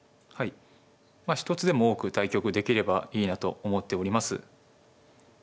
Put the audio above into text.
はい一つでも多く対局できればいいなと思っております。